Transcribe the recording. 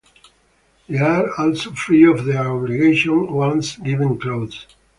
They are also free of their obligation once given clothes.